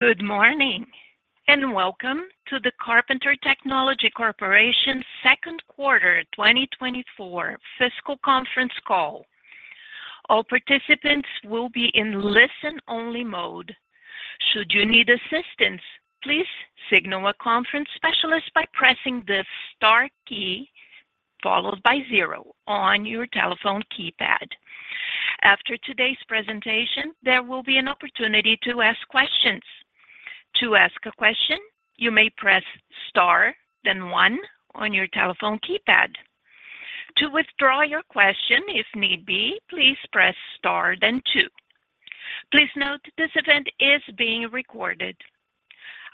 Good morning, and welcome to the Carpenter Technology Corporation second quarter 2024 fiscal conference call. All participants will be in listen-only mode. Should you need assistance, please signal a conference specialist by pressing the star key, followed by zero on your telephone keypad. After today's presentation, there will be an opportunity to ask questions. To ask a question, you may press star, then one on your telephone keypad. To withdraw your question, if need be, please press star, then two. Please note, this event is being recorded.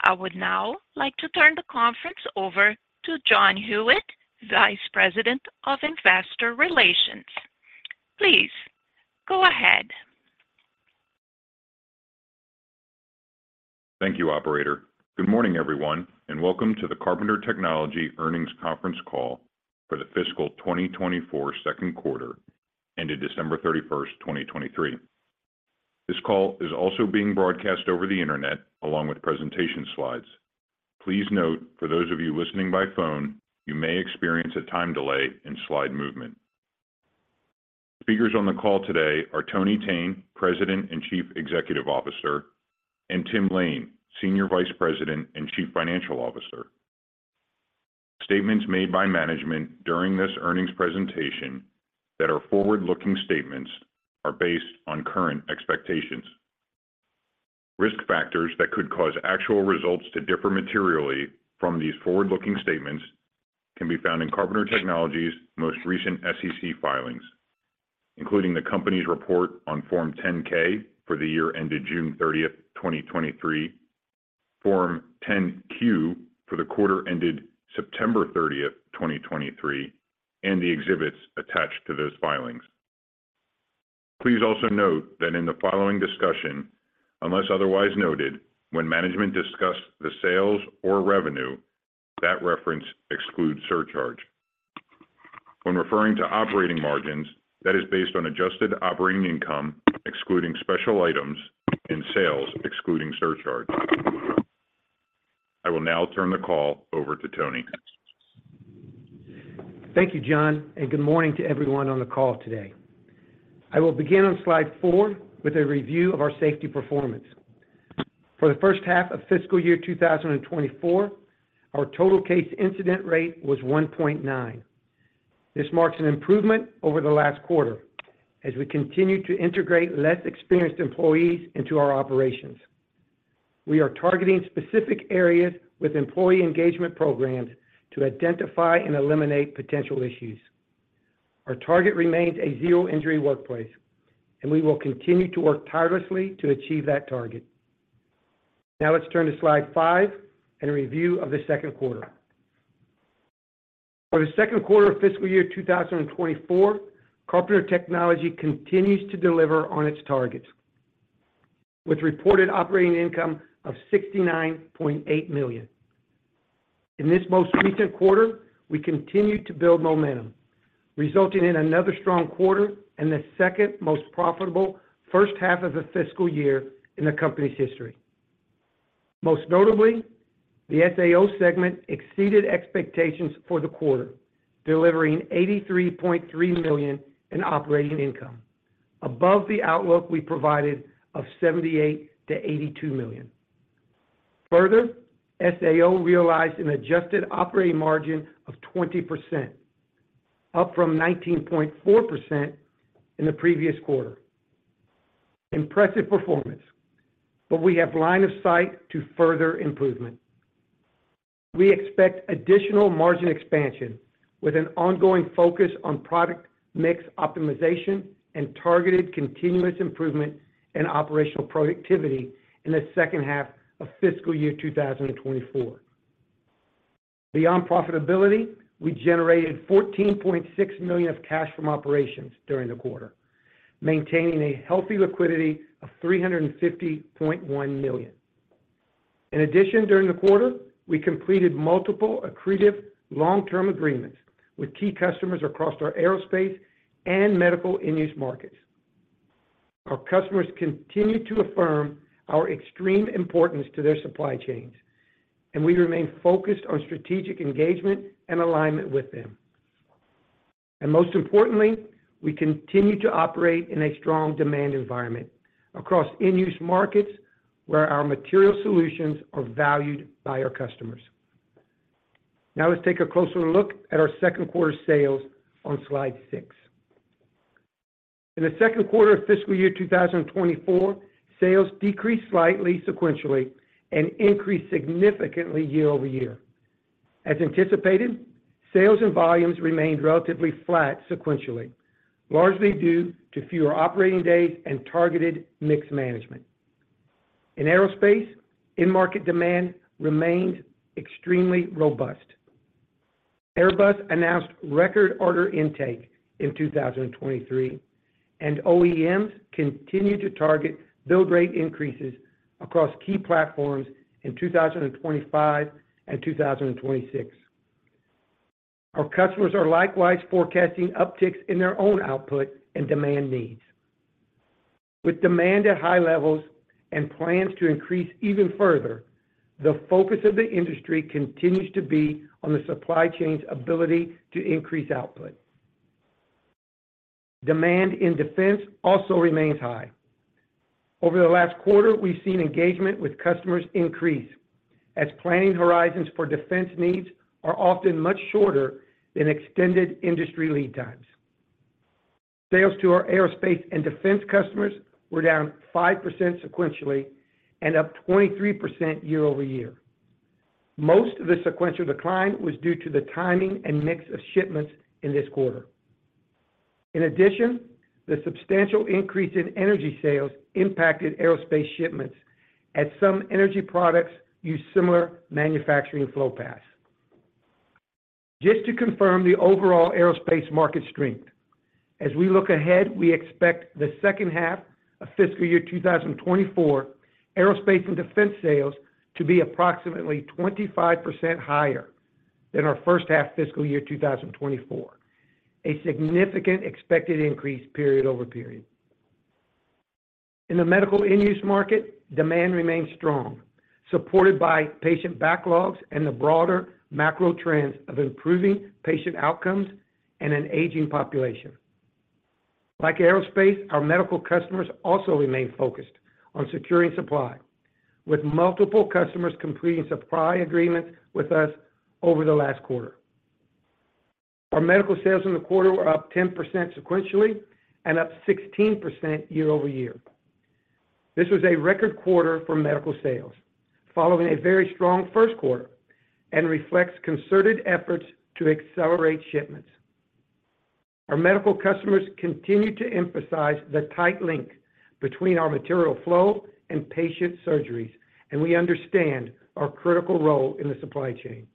I would now like to turn the conference over to John Huyette, Vice President of Investor Relations. Please go ahead. Thank you, operator. Good morning, everyone, and welcome to the Carpenter Technology earnings conference call for the fiscal 2024 second quarter ended December 31st, 2023. This call is also being broadcast over the internet along with presentation slides. Please note for those of you listening by phone, you may experience a time delay in slide movement. Speakers on the call today are Tony Thene, President and Chief Executive Officer, and Tim Lain, Senior Vice President and Chief Financial Officer. Statements made by management during this earnings presentation that are forward-looking statements are based on current expectations. Risk factors that could cause actual results to differ materially from these forward-looking statements can be found in Carpenter Technology's most recent SEC filings, including the company's report on Form 10-K for the year ended June 30th, 2023, Form 10-Q for the quarter ended September 30th, 2023, and the exhibits attached to those filings. Please also note that in the following discussion, unless otherwise noted, when management discuss the sales or revenue, that reference excludes surcharge. When referring to operating margins, that is based on adjusted operating income, excluding special items and sales, excluding surcharge. I will now turn the call over to Tony. Thank you, John, and good morning to everyone on the call today. I will begin on slide four with a review of our safety performance. For the first half of fiscal year 2024, our total case incident rate was 1.9. This marks an improvement over the last quarter as we continue to integrate less experienced employees into our operations. We are targeting specific areas with employee engagement programs to identify and eliminate potential issues. Our target remains a zero injury workplace, and we will continue to work tirelessly to achieve that target. Now let's turn to slide five and a review of the second quarter. For the second quarter of fiscal year 2024, Carpenter Technology continues to deliver on its targets, with reported operating income of $69.8 million. In this most recent quarter, we continued to build momentum, resulting in another strong quarter and the second most profitable first half of the fiscal year in the company's history. Most notably, the SAO segment exceeded expectations for the quarter, delivering $83.3 million in operating income, above the outlook we provided of $78-$82 million. Further, SAO realized an adjusted operating margin of 20%, up from 19.4% in the previous quarter. Impressive performance, but we have line of sight to further improvement. We expect additional margin expansion with an ongoing focus on product mix optimization and targeted continuous improvement in operational productivity in the second half of fiscal year 2024. Beyond profitability, we generated $14.6 million of cash from operations during the quarter, maintaining a healthy liquidity of $350.1 million. In addition, during the quarter, we completed multiple accretive long-term agreements with key customers across our aerospace and medical end-use markets. Our customers continue to affirm our extreme importance to their supply chains, and we remain focused on strategic engagement and alignment with them. And most importantly, we continue to operate in a strong demand environment across end-use markets, where our material solutions are valued by our customers. Now, let's take a closer look at our second quarter sales on slide six. In the second quarter of fiscal year 2024, sales decreased slightly sequentially and increased significantly year-over-year. As anticipated, sales and volumes remained relatively flat sequentially, largely due to fewer operating days and targeted mix management. In aerospace, end market demand remains extremely robust. Airbus announced record order intake in 2023, and OEMs continued to target build rate increases across key platforms in 2025 and 2026. Our customers are likewise forecasting upticks in their own output and demand needs. With demand at high levels and plans to increase even further, the focus of the industry continues to be on the supply chain's ability to increase output. Demand in defense also remains high. Over the last quarter, we've seen engagement with customers increase, as planning horizons for defense needs are often much shorter than extended industry lead times. Sales to our aerospace and defense customers were down 5% sequentially and up 23% year-over-year. Most of the sequential decline was due to the timing and mix of shipments in this quarter. In addition, the substantial increase in energy sales impacted aerospace shipments, as some energy products use similar manufacturing flow paths. Just to confirm the overall aerospace market strength, as we look ahead, we expect the second half of fiscal year 2024, aerospace and defense sales to be approximately 25% higher than our first half fiscal year 2024, a significant expected increase period-over-period. In the medical end-use market, demand remains strong, supported by patient backlogs and the broader macro trends of improving patient outcomes and an aging population. Like aerospace, our medical customers also remain focused on securing supply, with multiple customers completing supply agreements with us over the last quarter. Our medical sales in the quarter were up 10% sequentially and up 16% year-over-year. This was a record quarter for medical sales, following a very strong first quarter, and reflects concerted efforts to accelerate shipments. Our medical customers continue to emphasize the tight link between our material flow and patient surgeries, and we understand our critical role in the supply chain.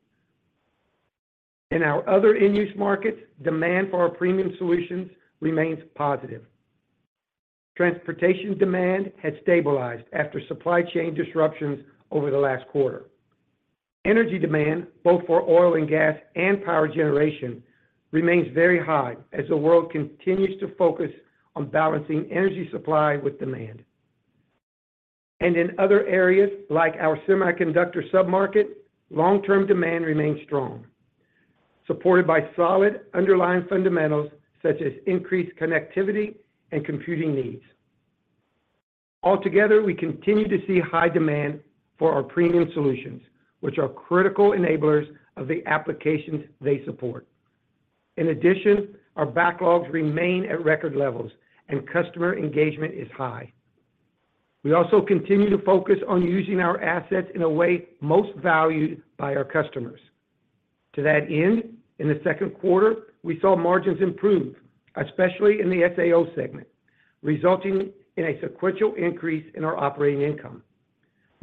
In our other end-use markets, demand for our premium solutions remains positive. Transportation demand has stabilized after supply chain disruptions over the last quarter. Energy demand, both for oil and gas and power generation, remains very high as the world continues to focus on balancing energy supply with demand. And in other areas, like our semiconductor submarket, long-term demand remains strong, supported by solid underlying fundamentals such as increased connectivity and computing needs. Altogether, we continue to see high demand for our premium solutions, which are critical enablers of the applications they support. In addition, our backlogs remain at record levels and customer engagement is high. We also continue to focus on using our assets in a way most valued by our customers. To that end, in the second quarter, we saw margins improve, especially in the SAO segment, resulting in a sequential increase in our operating income.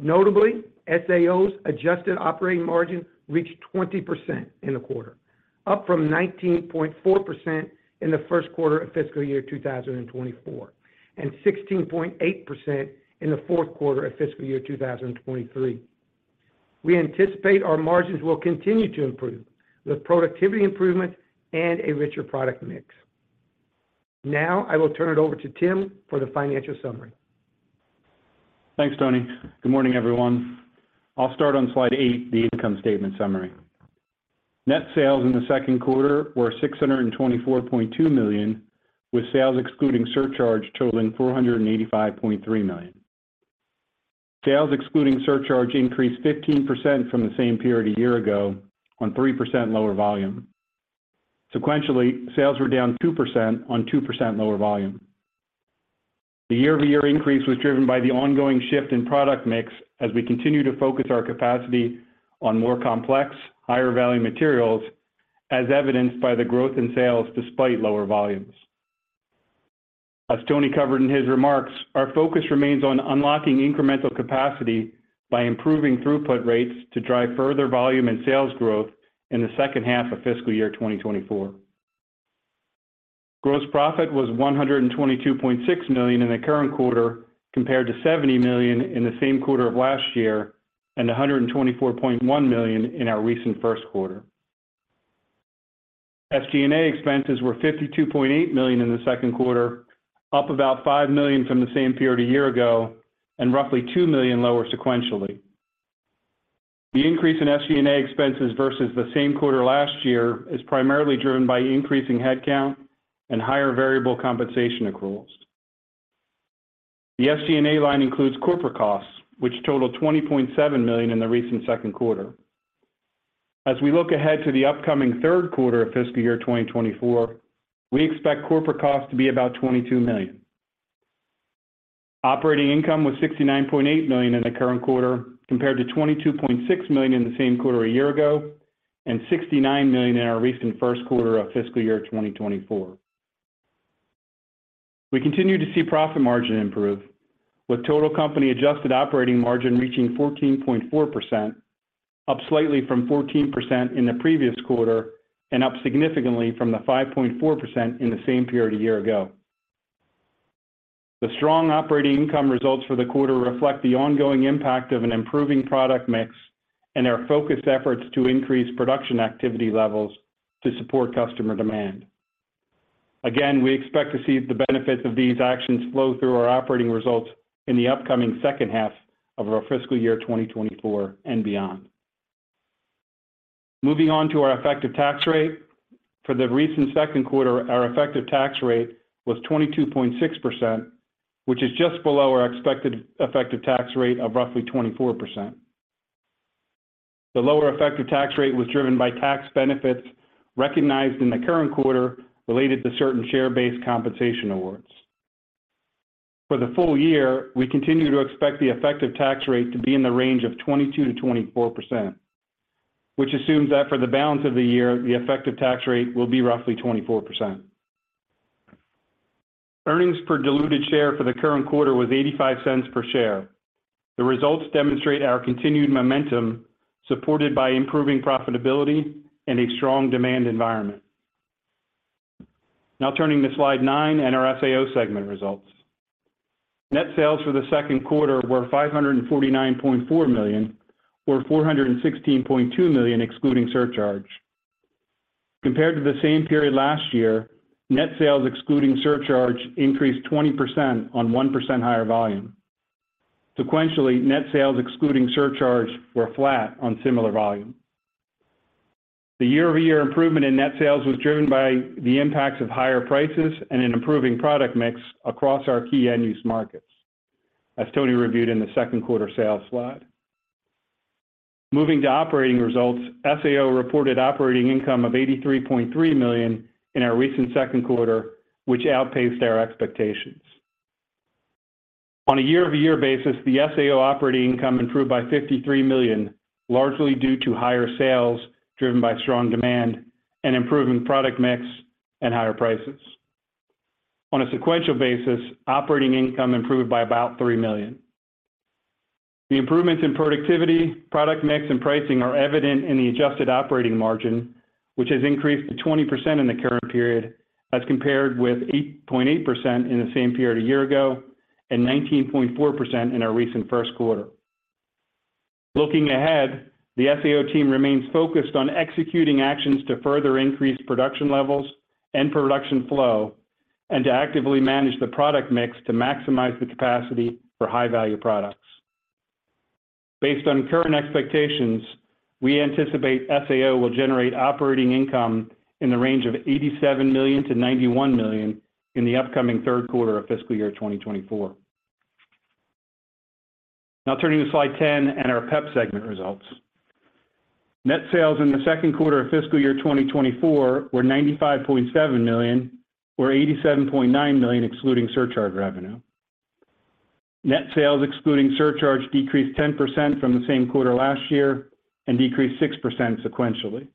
Notably, SAO's adjusted operating margin reached 20% in the quarter, up from 19.4% in the first quarter of fiscal year 2024, and 16.8% in the fourth quarter of fiscal year 2023. We anticipate our margins will continue to improve with productivity improvement and a richer product mix. Now, I will turn it over to Tim for the financial summary. Thanks, Tony. Good morning, everyone. I'll start on slide eight, the income statement summary. Net sales in the second quarter were $624.2 million, with sales excluding surcharge totaling $485.3 million. Sales excluding surcharge increased 15% from the same period a year ago on 3% lower volume. Sequentially, sales were down 2% on 2% lower volume. The year-over-year increase was driven by the ongoing shift in product mix as we continue to focus our capacity on more complex, higher-value materials, as evidenced by the growth in sales despite lower volumes. As Tony covered in his remarks, our focus remains on unlocking incremental capacity by improving throughput rates to drive further volume and sales growth in the second half of fiscal year 2024. Gross profit was $122.6 million in the current quarter, compared to $70 million in the same quarter of last year, and $124.1 million in our recent first quarter. SG&A expenses were $52.8 million in the second quarter, up about $5 million from the same period a year ago, and roughly $2 million lower sequentially. The increase in SG&A expenses versus the same quarter last year is primarily driven by increasing headcount and higher variable compensation accruals. The SG&A line includes corporate costs, which totaled $20.7 million in the recent second quarter. As we look ahead to the upcoming third quarter of fiscal year 2024, we expect corporate costs to be about $22 million. Operating income was $69.8 million in the current quarter, compared to $22.6 million in the same quarter a year ago, and $69 million in our recent first quarter of fiscal year 2024. We continue to see profit margin improve, with total company adjusted operating margin reaching 14.4%, up slightly from 14% in the previous quarter and up significantly from the 5.4% in the same period a year ago. The strong operating income results for the quarter reflect the ongoing impact of an improving product mix and our focused efforts to increase production activity levels to support customer demand. Again, we expect to see the benefits of these actions flow through our operating results in the upcoming second half of our fiscal year 2024 and beyond. Moving on to our effective tax rate. For the recent second quarter, our effective tax rate was 22.6%, which is just below our expected effective tax rate of roughly 24%. The lower effective tax rate was driven by tax benefits recognized in the current quarter, related to certain share-based compensation awards. For the full year, we continue to expect the effective tax rate to be in the range of 22%-24%, which assumes that for the balance of the year, the effective tax rate will be roughly 24%. Earnings per diluted share for the current quarter was $0.85 per share. The results demonstrate our continued momentum, supported by improving profitability and a strong demand environment. Now turning to slide nine and our SAO segment results. Net sales for the second quarter were $549.4 million, or $416.2 million, excluding surcharge. Compared to the same period last year, net sales excluding surcharge increased 20% on 1% higher volume. Sequentially, net sales excluding surcharge were flat on similar volume. The year-over-year improvement in net sales was driven by the impacts of higher prices and an improving product mix across our key end-use markets, as Tony reviewed in the second quarter sales slide. Moving to operating results, SAO reported operating income of $83.3 million in our recent second quarter, which outpaced our expectations. On a year-over-year basis, the SAO operating income improved by $53 million, largely due to higher sales, driven by strong demand and improving product mix and higher prices. On a sequential basis, operating income improved by about $3 million. The improvements in productivity, product mix, and pricing are evident in the adjusted operating margin, which has increased to 20% in the current period, as compared with 8.8% in the same period a year ago, and 19.4% in our recent first quarter. Looking ahead, the SAO team remains focused on executing actions to further increase production levels and production flow, and to actively manage the product mix to maximize the capacity for high-value products. Based on current expectations, we anticipate SAO will generate operating income in the range of $87 million-$91 million in the upcoming third quarter of fiscal year 2024. Now turning to slide 10 and our PEP segment results. Net sales in the second quarter of fiscal year 2024 were $95.7 million, or $87.9 million, excluding surcharge revenue. Net sales, excluding surcharge, decreased 10% from the same quarter last year and decreased 6% sequentially.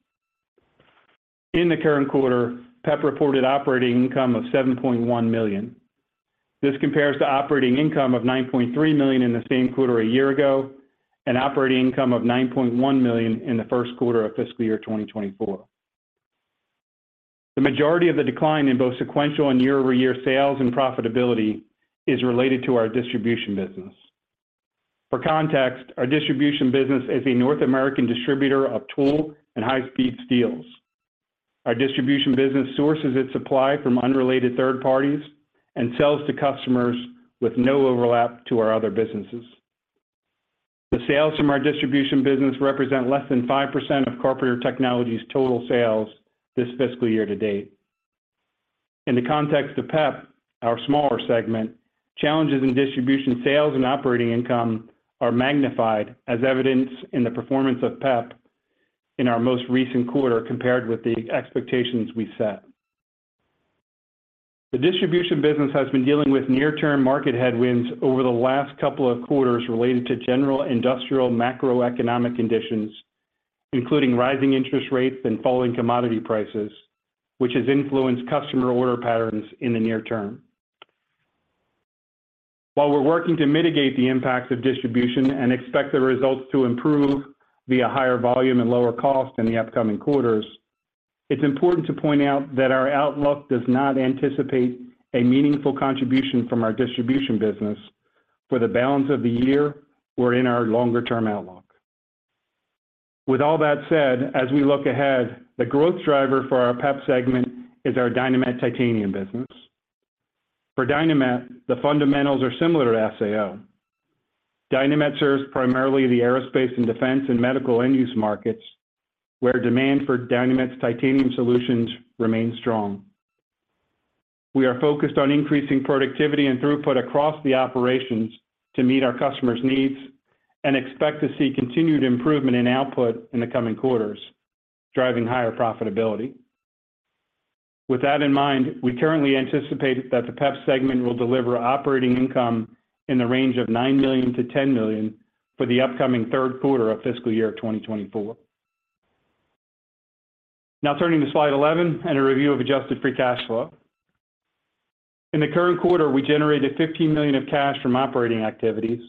In the current quarter, PEP reported operating income of $7.1 million. This compares to operating income of $9.3 million in the same quarter a year ago, and operating income of $9.1 million in the first quarter of fiscal year 2024. The majority of the decline in both sequential and year-over-year sales and profitability is related to our distribution business. For context, our distribution business is a North American distributor of tool and high-speed steels. Our distribution business sources its supply from unrelated third parties and sells to customers with no overlap to our other businesses. The sales from our distribution business represent less than 5% of Corporate Technologies' total sales this fiscal year to date. In the context of PEP, our smaller segment, challenges in distribution, sales, and operating income are magnified as evidenced in the performance of PEP in our most recent quarter, compared with the expectations we set. The distribution business has been dealing with near-term market headwinds over the last couple of quarters related to general industrial macroeconomic conditions, including rising interest rates and falling commodity prices, which has influenced customer order patterns in the near term. While we're working to mitigate the impacts of distribution and expect the results to improve via higher volume and lower cost in the upcoming quarters, it's important to point out that our outlook does not anticipate a meaningful contribution from our distribution business for the balance of the year or in our longer-term outlook. With all that said, as we look ahead, the growth driver for our PEP segment is our Dynamet titanium business. For Dynamet, the fundamentals are similar to SAO. Dynamet serves primarily the aerospace and defense and medical end-use markets, where demand for Dynamet's titanium solutions remains strong. We are focused on increasing productivity and throughput across the operations to meet our customers' needs and expect to see continued improvement in output in the coming quarters, driving higher profitability. With that in mind, we currently anticipate that the PEP segment will deliver operating income in the range of $9 million-$10 million for the upcoming third quarter of fiscal year 2024. Now turning to slide 11 and a review of adjusted free cash flow. In the current quarter, we generated $15 million of cash from operating activities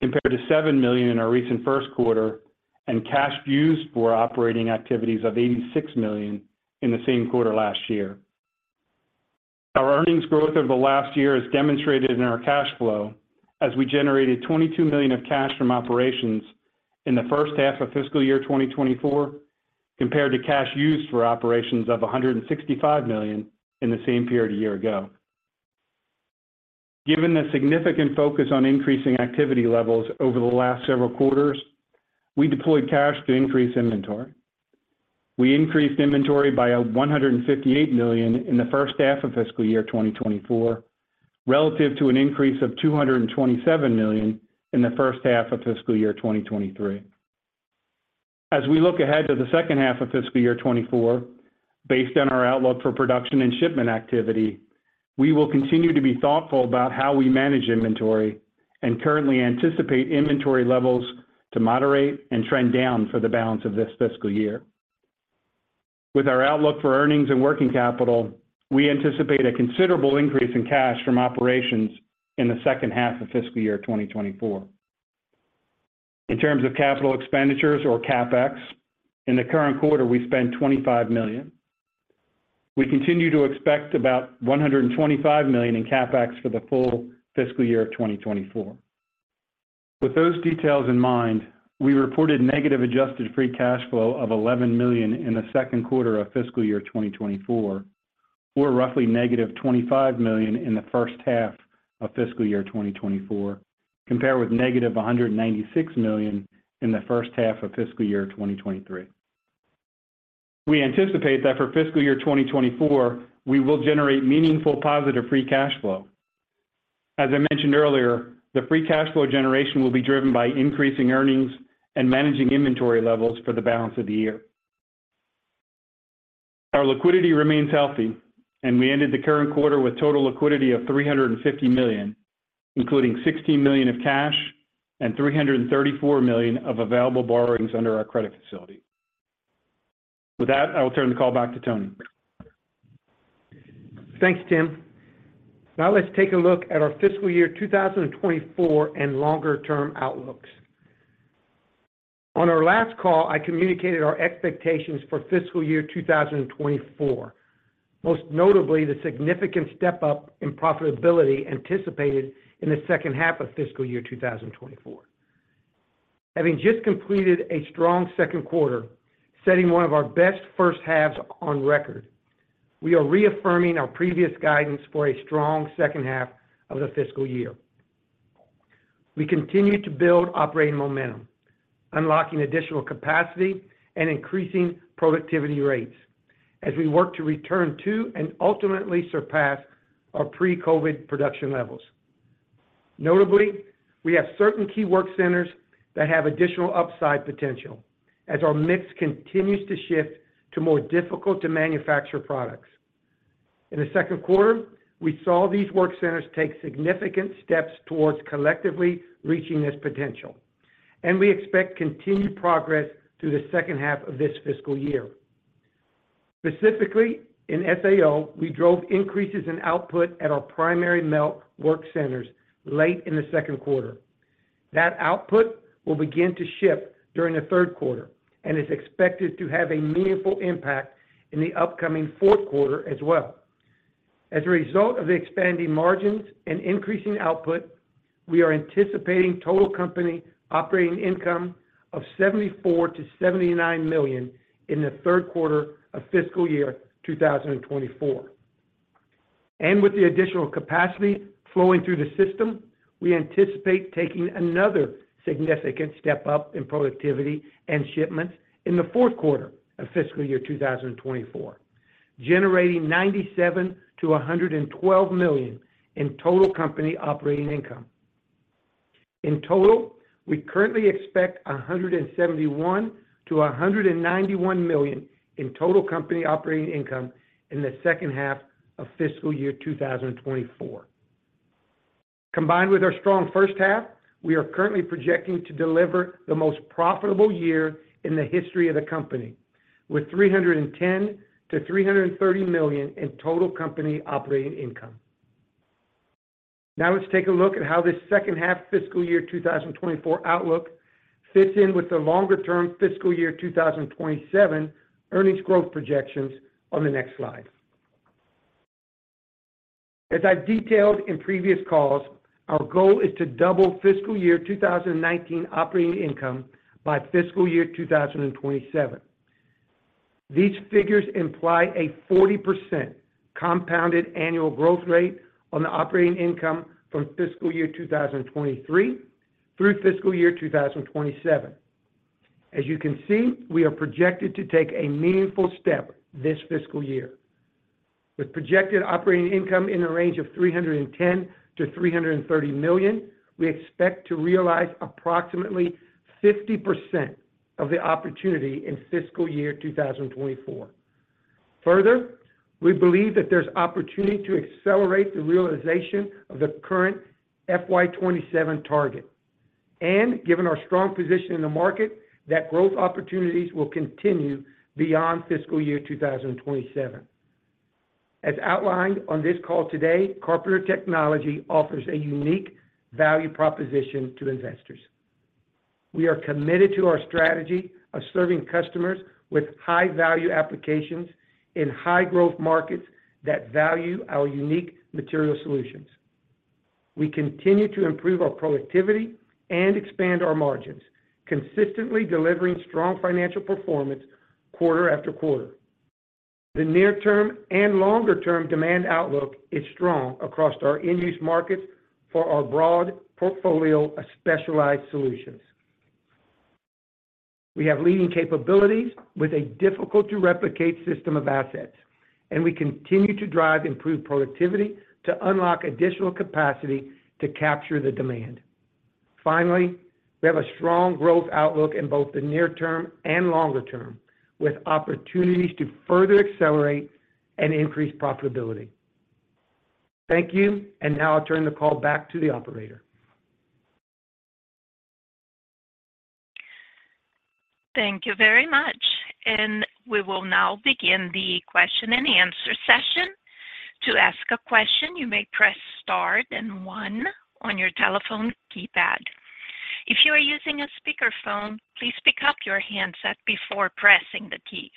compared to $7 million in our recent first quarter, and cash used for operating activities of $86 million in the same quarter last year. Our earnings growth over the last year is demonstrated in our cash flow, as we generated $22 million of cash from operations in the first half of fiscal year 2024, compared to cash used for operations of $165 million in the same period a year ago. Given the significant focus on increasing activity levels over the last several quarters, we deployed cash to increase inventory. We increased inventory by $158 million in the first half of fiscal year 2024, relative to an increase of $227 million in the first half of fiscal year 2023. As we look ahead to the second half of fiscal year 2024, based on our outlook for production and shipment activity, we will continue to be thoughtful about how we manage inventory and currently anticipate inventory levels to moderate and trend down for the balance of this fiscal year. With our outlook for earnings and working capital, we anticipate a considerable increase in cash from operations in the second half of fiscal year 2024. In terms of capital expenditures or CapEx, in the current quarter, we spent $25 million. We continue to expect about $125 million in CapEx for the full fiscal year of 2024. With those details in mind, we reported negative adjusted free cash flow of $11 million in the second quarter of fiscal year 2024, or roughly negative $25 million in the first half of fiscal year 2024, compared with negative $196 million in the first half of fiscal year 2023. We anticipate that for fiscal year 2024, we will generate meaningful positive free cash flow. As I mentioned earlier, the free cash flow generation will be driven by increasing earnings and managing inventory levels for the balance of the year. Our liquidity remains healthy, and we ended the current quarter with total liquidity of $350 million, including $16 million of cash and $334 million of available borrowings under our credit facility. With that, I will turn the call back to Tony. Thanks, Tim. Now let's take a look at our fiscal year 2024 and longer-term outlooks. On our last call, I communicated our expectations for fiscal year 2024, most notably the significant step up in profitability anticipated in the second half of fiscal year 2024. Having just completed a strong second quarter, setting one of our best first halves on record, we are reaffirming our previous guidance for a strong second half of the fiscal year. We continue to build operating momentum, unlocking additional capacity and increasing productivity rates as we work to return to and ultimately surpass our pre-COVID production levels. Notably, we have certain key work centers that have additional upside potential as our mix continues to shift to more difficult to manufacture products. In the second quarter, we saw these work centers take significant steps towards collectively reaching this potential, and we expect continued progress through the second half of this fiscal year. Specifically, in SAO, we drove increases in output at our primary melt work centers late in the second quarter. That output will begin to ship during the third quarter and is expected to have a meaningful impact in the upcoming fourth quarter as well. As a result of the expanding margins and increasing output, we are anticipating total company operating income of $74 million-$79 million in the third quarter of fiscal year 2024. With the additional capacity flowing through the system, we anticipate taking another significant step up in productivity and shipments in the fourth quarter of fiscal year 2024, generating $97 million-$112 million in total company operating income. In total, we currently expect $171 million-$191 million in total company operating income in the second half of fiscal year 2024. Combined with our strong first half, we are currently projecting to deliver the most profitable year in the history of the company, with $310 million-$330 million in total company operating income. Now, let's take a look at how this second half fiscal year 2024 outlook fits in with the longer term fiscal year 2027 earnings growth projections on the next slide. As I've detailed in previous calls, our goal is to double fiscal year 2019 operating income by fiscal year 2027. These figures imply a 40% compounded annual growth rate on the operating income from fiscal year 2023 through fiscal year 2027. As you can see, we are projected to take a meaningful step this fiscal year. With projected operating income in the range of $310 million-$330 million, we expect to realize approximately 50% of the opportunity in fiscal year 2024. Further, we believe that there's opportunity to accelerate the realization of the current FY 2027 target, and given our strong position in the market, that growth opportunities will continue beyond fiscal year 2027. As outlined on this call today, Carpenter Technology offers a unique value proposition to investors. We are committed to our strategy of serving customers with high-value applications in high-growth markets that value our unique material solutions. We continue to improve our productivity and expand our margins, consistently delivering strong financial performance quarter after quarter. The near term and longer-term demand outlook is strong across our end-use markets for our broad portfolio of specialized solutions. We have leading capabilities with a difficult-to-replicate system of assets, and we continue to drive improved productivity to unlock additional capacity to capture the demand. Finally, we have a strong growth outlook in both the near term and longer term, with opportunities to further accelerate and increase profitability. Thank you, and now I'll turn the call back to the operator. Thank you very much, and we will now begin the question-and-answer session. To ask a question, you may press star then one on your telephone keypad. If you are using a speakerphone, please pick up your handset before pressing the keys.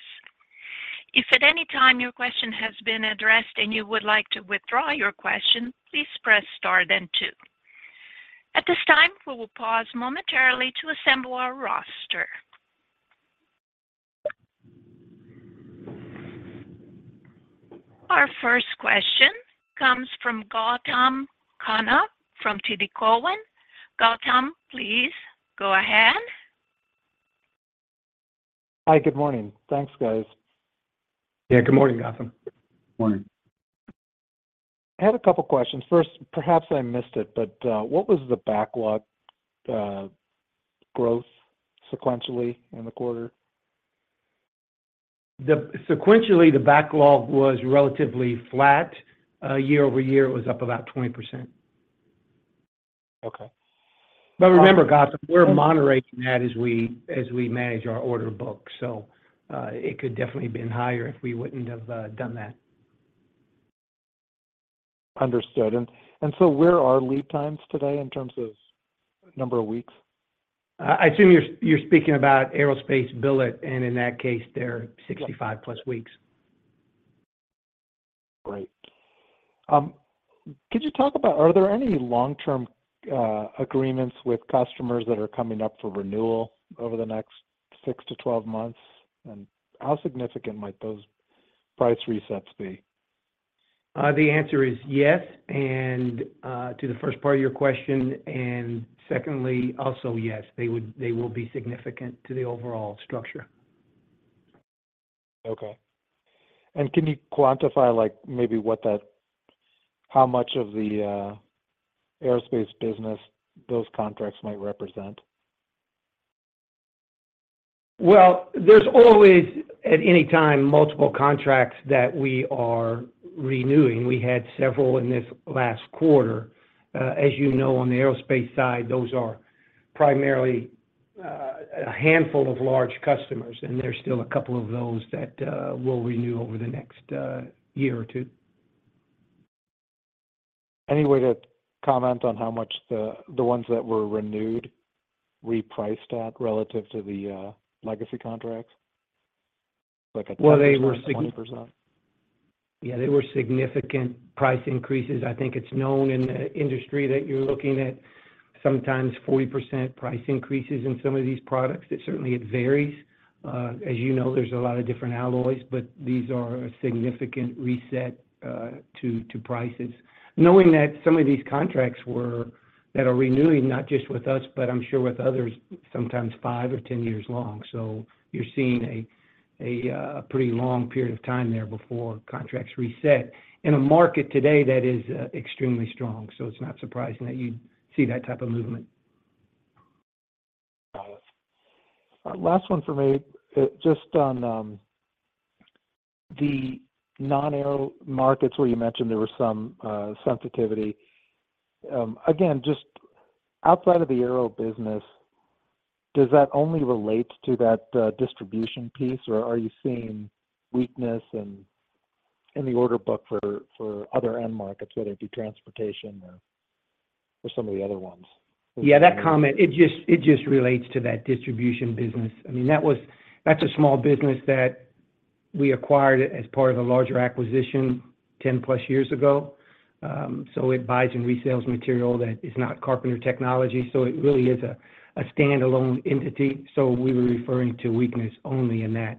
If at any time your question has been addressed and you would like to withdraw your question, please press star then two. At this time, we will pause momentarily to assemble our roster. Our first question comes from Gautam Khanna from TD Cowen. Gautam, please go ahead. Hi, good morning. Thanks, guys. Yeah, good morning, Gautam. Morning. I had a couple questions. First, perhaps I missed it, but, what was the backlog, growth sequentially in the quarter? Sequentially, the backlog was relatively flat. Year-over-year, it was up about 20%. Okay. But remember, Gautam, we're moderating that as we, as we manage our order book, so, it could definitely been higher if we wouldn't have, done that. Understood. And so where are lead times today in terms of number of weeks? I assume you're speaking about Aerospace Billet, and in that case, they're 65+ weeks. Great. Could you talk about are there any long-term agreements with customers that are coming up for renewal over the next six to 12 months? And how significant might those price resets be? The answer is yes, and to the first part of your question, and secondly, also, yes, they would, they will be significant to the overall structure. Okay. And can you quantify, like, maybe what that, how much of the aerospace business those contracts might represent? Well, there's always, at any time, multiple contracts that we are renewing. We had several in this last quarter. As you know, on the aerospace side, those are primarily a handful of large customers, and there's still a couple of those that we'll renew over the next year or two. Any way to comment on how much the, the ones that were renewed repriced at relative to the, legacy contracts? Like a- Well, they were- 20%? Yeah, they were significant price increases. I think it's known in the industry that you're looking at sometimes 40% price increases in some of these products. It certainly, it varies. As you know, there's a lot of different alloys, but these are a significant reset to prices. Knowing that some of these contracts were, that are renewing, not just with us, but I'm sure with others, sometimes five or 10 years long, so you're seeing a pretty long period of time there before contracts reset in a market today that is extremely strong. So it's not surprising that you'd see that type of movement. Got it. Last one for me. Just on the non-aero markets where you mentioned there was some sensitivity. Again, just outside of the aero business, does that only relate to that distribution piece, or are you seeing weakness in the order book for other end markets, whether it be transportation or some of the other ones? Yeah, that comment, it just, it just relates to that distribution business. I mean, that was, that's a small business that we acquired as part of a larger acquisition 10+ years ago. So it buys and resells material that is not Carpenter Technology, so it really is a standalone entity. So we were referring to weakness only in that,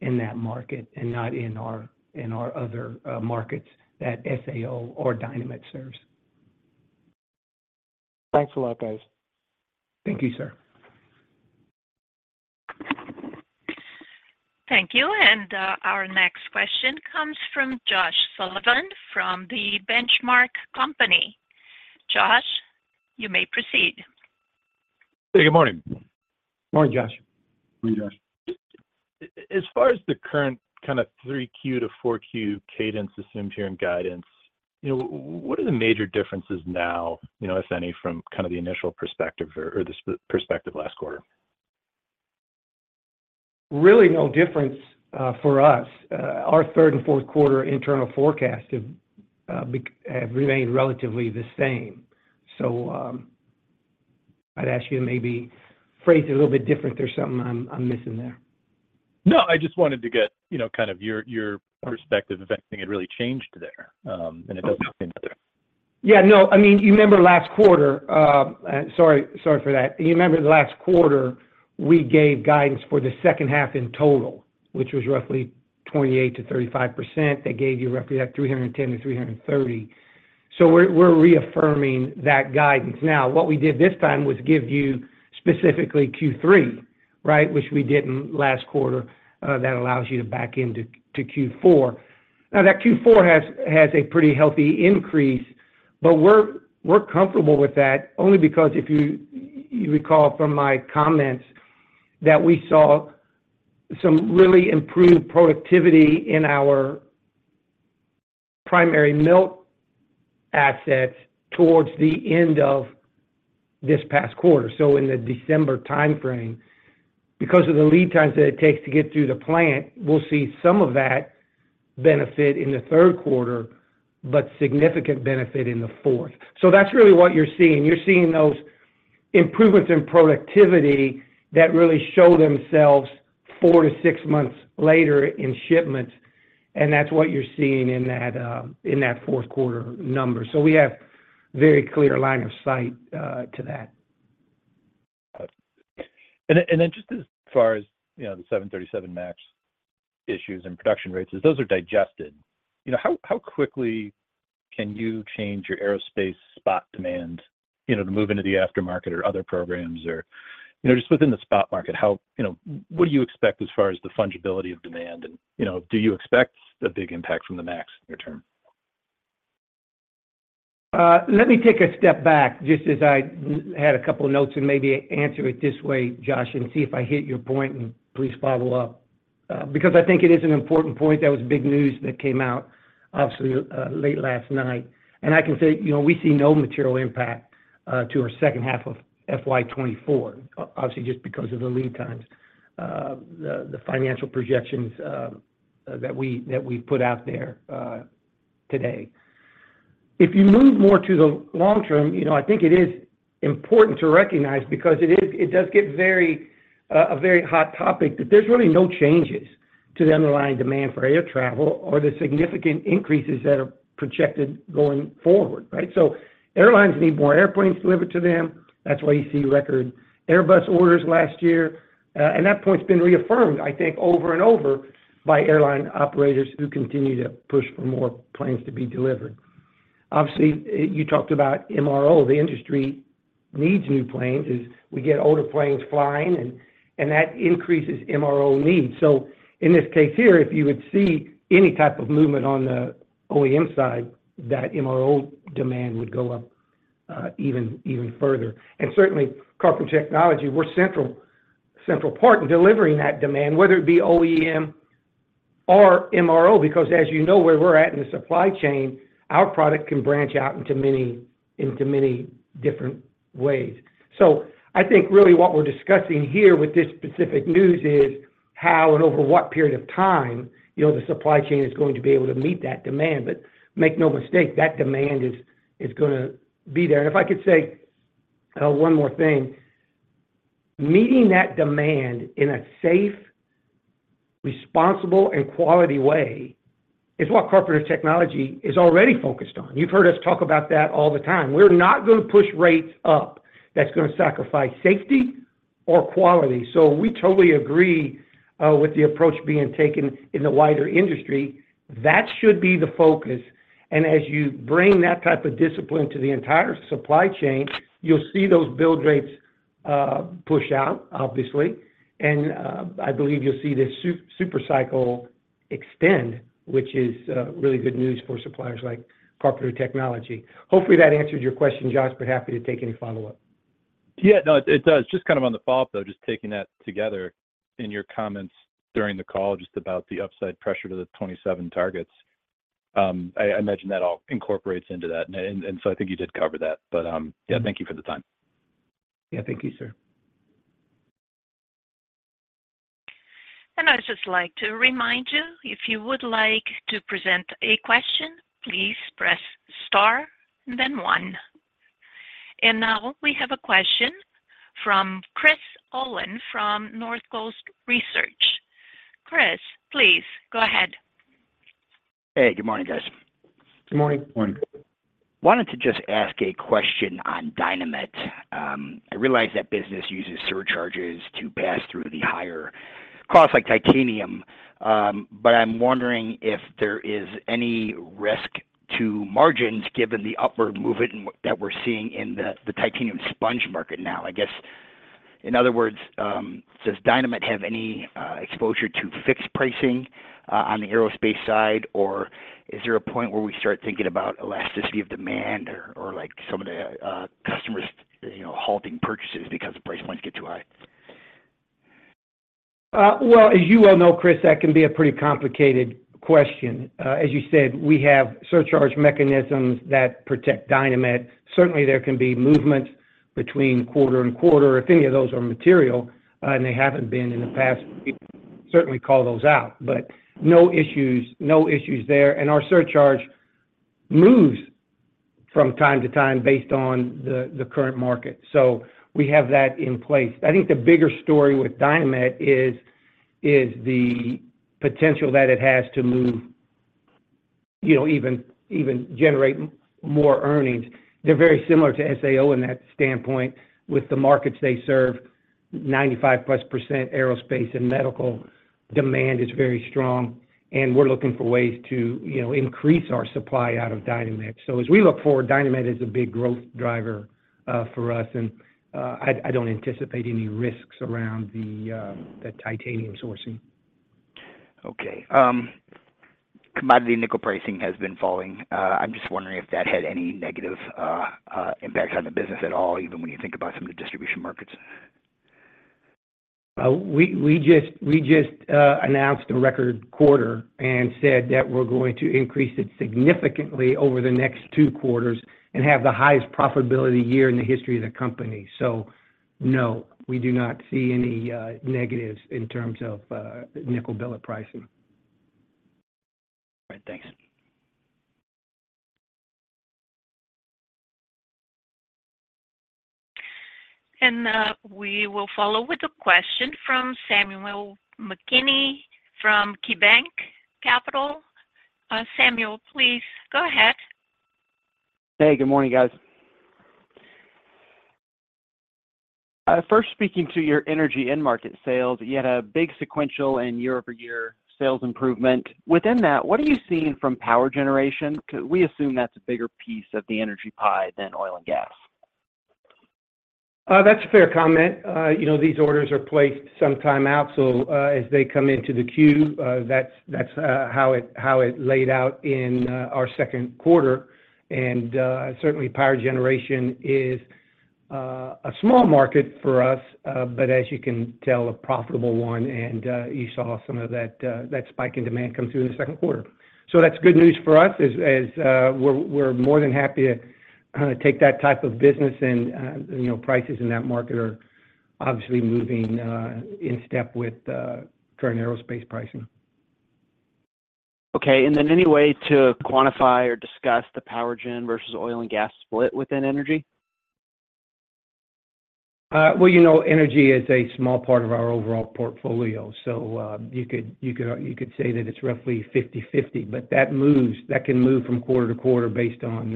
in that market and not in our, in our other markets that SAO or Dynamet serves. Thanks a lot, guys. Thank you, sir. Thank you, and, our next question comes from Josh Sullivan from The Benchmark Company. Josh, you may proceed. Hey, good morning. Morning, Josh. Morning, Josh. As far as the current kind of 3Q to 4Q cadence assumed here in guidance, you know, what are the major differences now, you know, if any, from kind of the initial perspective or the perspective last quarter? Really no difference for us. Our third and fourth quarter internal forecast have remained relatively the same. So, I'd ask you to maybe phrase it a little bit different if there's something I'm missing there. No, I just wanted to get, you know, kind of your, your perspective if anything had really changed there, and it doesn't seem to. Yeah, no. I mean, you remember last quarter, sorry, sorry for that. You remember the last quarter, we gave guidance for the second half in total, which was roughly 28%-35%. That gave you roughly that 310-330. So we're, we're reaffirming that guidance. Now, what we did this time was give you specifically Q3, right? Which we didn't last quarter, that allows you to back into, to Q4. Now, that Q4 has, has a pretty healthy increase, but we're, we're comfortable with that only because if you, you recall from my comments that we saw some really improved productivity in our primary MRO assets towards the end of this past quarter, so in the December time frame. Because of the lead times that it takes to get through the plant, we'll see some of that benefit in the third quarter, but significant benefit in the fourth. So that's really what you're seeing. You're seeing those improvements in productivity that really show themselves 4 months-6 months later in shipments, and that's what you're seeing in that, in that fourth quarter number. So we have very clear line of sight to that. Got it. And then, and then just as far as, you know, the 737 MAX issues and production rates, those are digested. You know, how, how quickly can you change your aerospace spot demand, you know, to move into the aftermarket or other programs or, you know, just within the spot market, how - you know, what do you expect as far as the fungibility of demand? And, you know, do you expect a big impact from the Max return? Let me take a step back, just as I had a couple of notes, and maybe answer it this way, Josh, and see if I hit your point, and please follow up. Because I think it is an important point, that was big news that came out, obviously, late last night. I can say, you know, we see no material impact to our second half of FY 2024, obviously, just because of the lead times, the financial projections that we've put out there today. If you move more to the long term, you know, I think it is important to recognize because it does get very a very hot topic, that there's really no changes to the underlying demand for air travel or the significant increases that are projected going forward, right? So airlines need more airplanes delivered to them. That's why you see record Airbus orders last year. And that point's been reaffirmed, I think, over and over by airline operators who continue to push for more planes to be delivered. Obviously, you talked about MRO. The industry needs new planes as we get older planes flying, and that increases MRO needs. So in this case here, if you would see any type of movement on the OEM side, that MRO demand would go up even further. And certainly, Carpenter Technology, we're a central part in delivering that demand, whether it be OEM or MRO, because as you know, where we're at in the supply chain, our product can branch out into many different ways. So I think really what we're discussing here with this specific news is how and over what period of time, you know, the supply chain is going to be able to meet that demand. But make no mistake, that demand is gonna be there. And if I could say one more thing, meeting that demand in a safe, responsible, and quality way is what Carpenter Technology is already focused on. You've heard us talk about that all the time. We're not gonna push rates up, that's gonna sacrifice safety or quality. So we totally agree with the approach being taken in the wider industry. That should be the focus, and as you bring that type of discipline to the entire supply chain, you'll see those build rates, push out, obviously, and, I believe you'll see this super cycle extend, which is, really good news for suppliers like Carpenter Technology. Hopefully, that answered your question, Josh. But happy to take any follow-up. Yeah, no, it does. Just kind of on the follow-up, though, just taking that together in your comments during the call, just about the upside pressure to the 2027 targets. I imagine that all incorporates into that, and so I think you did cover that. But, yeah, thank you for the time. Yeah. Thank you, sir. I'd just like to remind you, if you would like to present a question, please press star, then one. Now we have a question from Chris Olin from North Coast Research. Chris, please go ahead. Hey, good morning, guys. Good morning. Morning. Wanted to just ask a question on Dynamet. I realize that business uses surcharges to pass through the higher costs, like titanium, but I'm wondering if there is any risk to margins given the upward movement that we're seeing in the titanium sponge market now? I guess, in other words, does Dynamet have any exposure to fixed pricing on the aerospace side? Or is there a point where we start thinking about elasticity of demand or like some of the customers you know halting purchases because the price points get too high? Well, as you well know, Chris, that can be a pretty complicated question. As you said, we have surcharge mechanisms that protect Dynamet. Certainly, there can be movements between quarter and quarter if any of those are material, and they haven't been in the past weeks. Certainly call those out, but no issues, no issues there. And our surcharge moves from time to time based on the current market, so we have that in place. I think the bigger story with Dynamet is the potential that it has to move, you know, even generate more earnings. They're very similar to SAO in that standpoint. With the markets they serve, 95%+ aerospace and medical demand is very strong, and we're looking for ways to, you know, increase our supply out of Dynamet. So as we look forward, Dynamet is a big growth driver for us, and I don't anticipate any risks around the titanium sourcing. Okay. Commodity nickel pricing has been falling. I'm just wondering if that had any negative impacts on the business at all, even when you think about some of the distribution markets? We just announced a record quarter and said that we're going to increase it significantly over the next two quarters and have the highest profitability year in the history of the company. So no, we do not see any negatives in terms of nickel billet pricing. All right, thanks. We will follow with a question from Samuel McKinney from KeyBanc Capital Markets. Samuel, please go ahead. Hey, good morning, guys. First, speaking to your energy end market sales, you had a big sequential and year-over-year sales improvement. Within that, what are you seeing from power generation? We assume that's a bigger piece of the energy pie than oil and gas. That's a fair comment. You know, these orders are placed some time out, so as they come into the queue, that's how it laid out in our second quarter. Certainly power generation is a small market for us, but as you can tell, a profitable one, and you saw some of that spike in demand come through in the second quarter. That's good news for us as we're more than happy to take that type of business, and you know, prices in that market are obviously moving in step with current aerospace pricing. Okay. And then, any way to quantify or discuss the power gen versus oil and gas split within energy? Well, you know, energy is a small part of our overall portfolio, so you could say that it's roughly 50/50, but that moves. That can move from quarter to quarter based on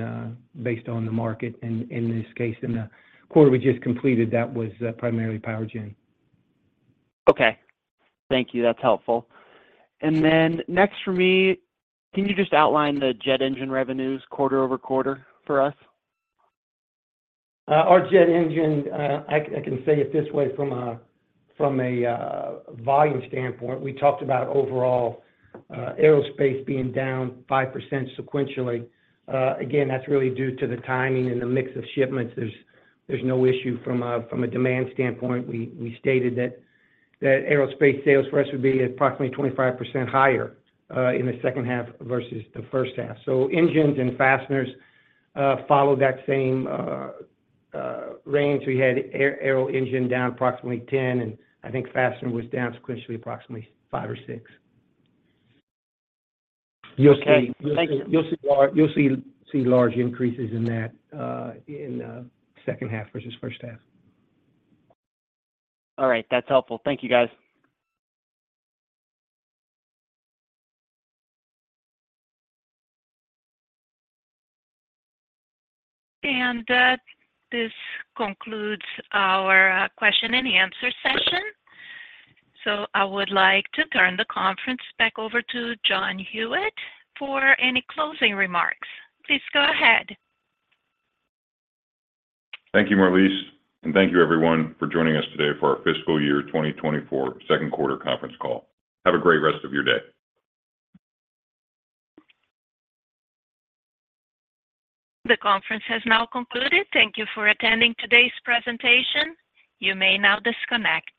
the market. And in this case, in the quarter we just completed, that was primarily power gen. Okay. Thank you. That's helpful. And then next for me, can you just outline the jet engine revenues quarter-over-quarter for us? Our jet engine, I can say it this way, from a volume standpoint, we talked about overall aerospace being down 5% sequentially. Again, that's really due to the timing and the mix of shipments. There's no issue from a demand standpoint. We stated that aerospace sales for us would be approximately 25% higher in the second half versus the first half. So engines and fasteners follow that same range. We had aero engine down approximately 10, and I think fastener was down sequentially, approximately five or six. Okay. Thank you. You'll see large increases in that in the second half versus first half. All right. That's helpful. Thank you, guys. This concludes our question and answer session. I would like to turn the conference back over to John Huyette for any closing remarks. Please go ahead. Thank you, Marlise, and thank you everyone for joining us today for our fiscal year 2024 second quarter conference call. Have a great rest of your day. The conference has now concluded. Thank you for attending today's presentation. You may now disconnect.